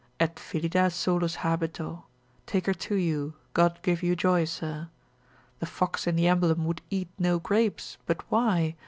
Et Phillida solus habeto, Take her to you, God give you joy, sir. The fox in the emblem would eat no grapes, but why?